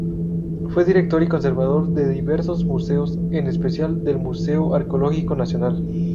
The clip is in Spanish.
Fue director y conservador de diversos museos, en especial del Museo Arqueológico Nacional.